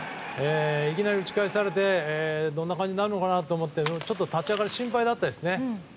いきなり打ち返されてどんな感じになるのかなと思ってちょっと立ち上がり心配でしたね。